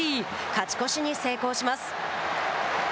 勝ち越しに成功します。